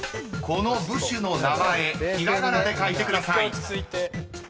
［この部首の名前ひらがなで書いてください］